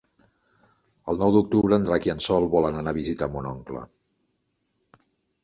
El nou d'octubre en Drac i en Sol volen anar a visitar mon oncle.